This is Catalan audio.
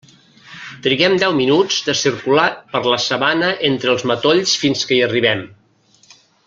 Triguem deu minuts de circular per la sabana entre els matolls fins que hi arribem.